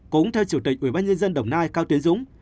cũng theo chủ tịch ủy ban nhân dân đồng nai cao tiến dũng